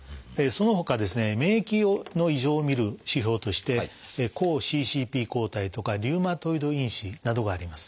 そのほかですね免疫の異常を見る指標として「抗ＣＣＰ抗体」とか「リウマトイド因子」などがあります。